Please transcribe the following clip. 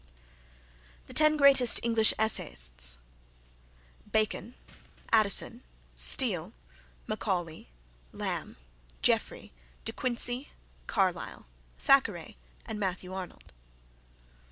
TEN GREATEST ENGLISH ESSAYISTS Bacon, Addison, Steele, Macaulay, Lamb, Jeffrey, De Quincey, Carlyle, Thackeray and Matthew Arnold.